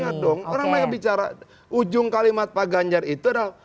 iya dong orang orang yang bicara ujung kalimat pak ganjar itu adalah